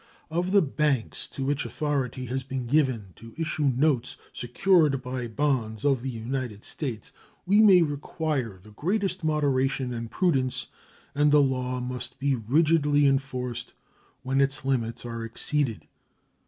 Of the banks to which authority has been given to issue notes secured by bonds of the United States we may require the greatest moderation and prudence, and the law must be rigidly enforced when its limits are exceeded.